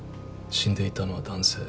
死んでいたのは男性。